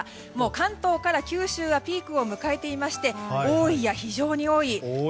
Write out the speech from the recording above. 関東から九州はピークを迎えていまして多いや非常に多い。